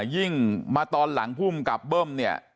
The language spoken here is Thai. ยิ่งมาตอนหลังภูมิกับเบิ้มเนี่ย